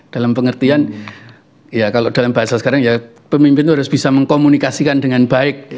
dalam pengertian ya kalau dalam bahasa sekarang ya pemimpin itu harus bisa mengkomunikasikan dengan baik